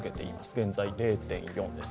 現在０．４です。